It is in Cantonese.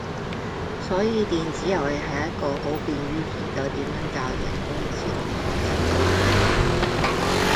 所以電子遊戲係一個好便於研究點樣教人工智能學習嘅環境